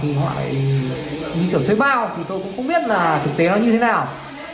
thì tôi cũng không biết là thực tế nó như thế nào